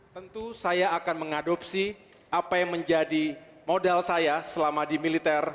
tentu saya akan mengadopsi apa yang menjadi modal saya selama di militer